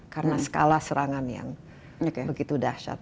karena skala serangan yang begitu dahsyat